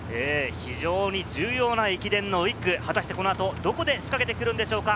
非常に重要な駅伝の１区、果たしてこの後、どこで仕掛けてくるんでしょうか。